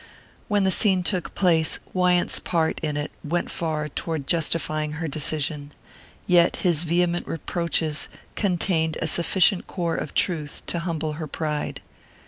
When the scene took place, Wyant's part in it went far toward justifying her decision; yet his vehement reproaches contained a sufficient core of truth to humble her pride.